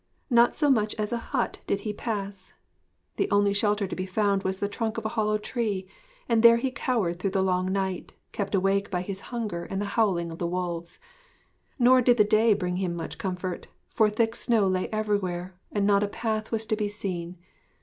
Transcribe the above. Not so much as a hut did he pass. The only shelter to be found was the trunk of a hollow tree; and there he cowered through the long night, kept awake by his hunger and the howling of the wolves. Nor did the day bring him much comfort: for thick snow lay everywhere, and not a path was to be seen.